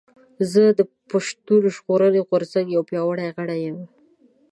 زه د پشتون ژغورنې غورځنګ يو پياوړي غړی یم